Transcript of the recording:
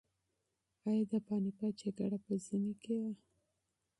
ایا د پاني پت جګړه په ژمي کې وه؟